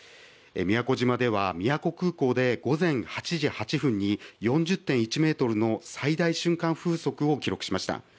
宮古島では宮古空港で午前８時８分に４０．１メートルの最大瞬間風速を記録しました。